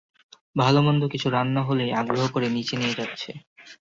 ভালোমন্দ কিছু রান্না হলেই আগ্রহ করে নিচে নিয়ে যাচ্ছে।